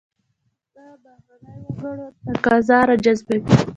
دا بهرنیو وګړو تقاضا راجذبوي.